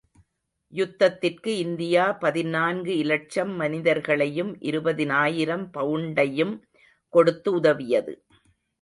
யுத்தத்திற்கு இந்தியா பதினான்கு இலட்சம் மனிதர்களையும் இருபதினாயிரம் பவுண்டையும் கொடுத்து உதவியது.